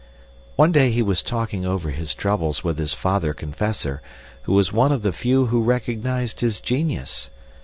One day he was talking over his troubles with his father confessor, who was one of the few who recognized his genius.